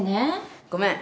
ごめん。